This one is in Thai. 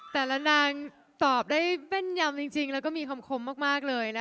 แต่ละนางตอบได้แม่นยำจริงแล้วก็มีคำคมมากเลยนะคะ